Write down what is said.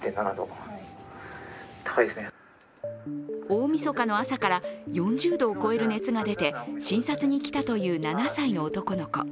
大みそかの朝から４０度を超える熱が出て、診察に来たという７歳の男の子。